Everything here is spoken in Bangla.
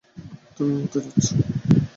তুমি মরতে যাচ্ছ।